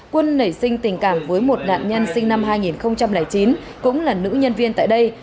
quân nảy sinh tình cảm với một nạn nhân sinh năm hai nghìn chín cũng là nữ nhân viên tại đây